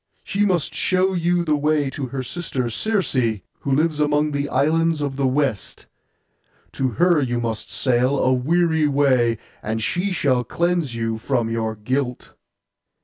She must show you the way to her sister Circe, who lives among the islands of the West. To her you must sail, a weary way, and she shall cleanse you from your guilt.